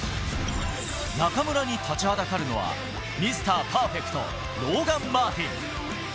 中村に立ちはだかるのは、ミスターパーフェクト、ローガン・マーティン。